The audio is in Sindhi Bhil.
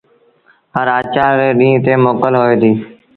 هر آچآر ري ڏيٚݩهݩ تي موڪل هوئي ديٚ۔